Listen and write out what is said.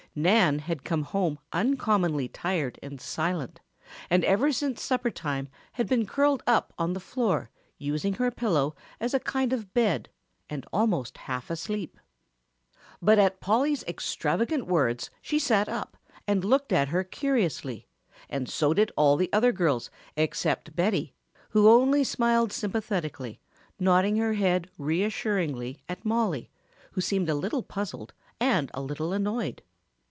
Nan had come home uncommonly tired and silent, and ever since supper time had been curled up on the floor using her pillow as a kind of bed and almost half asleep. But at Polly's extravagant words she sat up and looked at her curiously and so did all the other girls except Betty, who only smiled sympathetically, nodding her head reassuringly at Mollie, who seemed a little puzzled and a little annoyed.